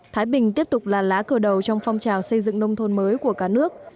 thái bình tiếp tục là lá cờ đầu trong phong trào xây dựng nông thôn mới của cả nước